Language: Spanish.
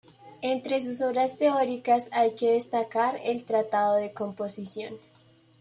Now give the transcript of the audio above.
Entre sus obras teóricas hay que destacar el Tratado de Composición.